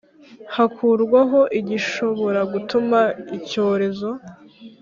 hakurwaho igishobora gutuma icyorezo